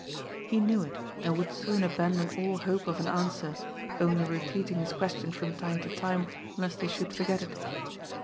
He knew it, and would soon abandon all hope of an answer, only repeating his question from time to time lest they should forget it.